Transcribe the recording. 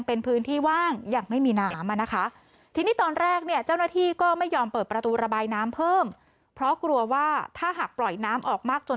เพื่อที่จะระบายน้ำ